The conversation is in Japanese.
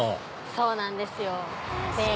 そうなんですよ。